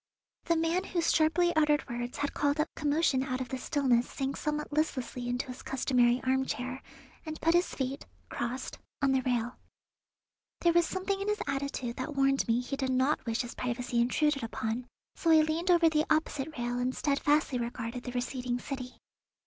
The man whose sharply uttered words had called up commotion out of the stillness sank somewhat listlessly into his customary armchair, and put his feet, crossed, on the rail. There was something in his attitude that warned me he did not wish his privacy intruded upon, so I leaned over the opposite rail and steadfastly regarded the receding city.